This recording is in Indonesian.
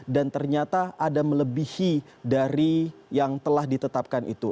dan ternyata ada melebihi dari yang telah ditetapkan itu